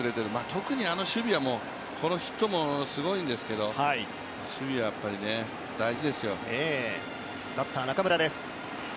特にあの守備は、このヒットもすごいんですけど、守備はやっぱり大事ですよ。